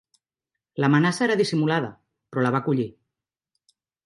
L'amenaça era dissimulada, però la va collir.